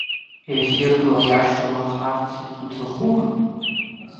Иахьырго аиаша уаҳарц уҭахума?